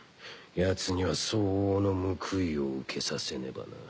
ヤツには相応の報いを受けさせねばな。